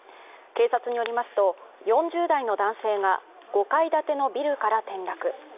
警察によりますと、４０代の男性が５階建てのビルから転落。